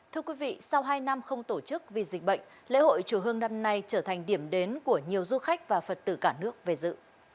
thưa quý vị sau hai năm không tổ chức vì dịch bệnh lễ hội chùa hương năm nay trở thành điểm đến của nhiều du khách và phật tử cả nước về dự